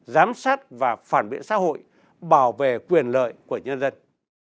giám sát và phản biện xã hội bảo vệ quyền lợi của nhân dân